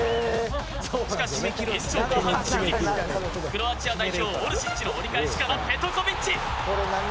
しかし後半クロアチア代表オルシッチの折り返しからペトコビッチ。